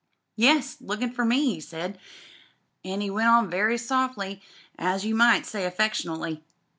*YesI lookin' for me,* he said, an' he went on very softly an' as you might say affectionately.